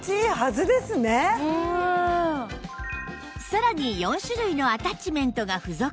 さらに４種類のアタッチメントが付属